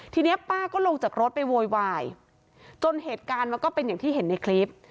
ทีนี้ป้าก็ลงจากรถไปโวยวายจนเหตุการณ์มันก็เป็นอย่างที่เห็นในคลิป